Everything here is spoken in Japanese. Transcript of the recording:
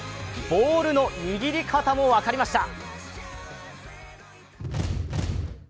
ボールの握り方も分かりました。